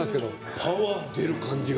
パワー出る感じが。